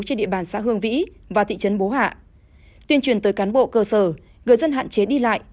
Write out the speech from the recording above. trên địa bàn xã hương vĩ và thị trấn bố hạ tuyên truyền tới cán bộ cơ sở người dân hạn chế đi lại